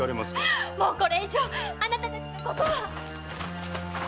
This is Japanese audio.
もうこれ以上あなたたちのことは！